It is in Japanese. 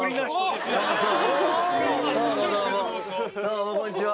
どうもこんにちは。